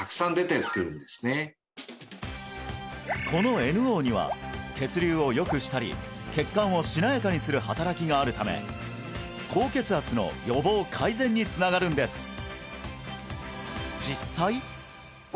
このＮＯには血流をよくしたり血管をしなやかにする働きがあるため高血圧の予防改善につながるんです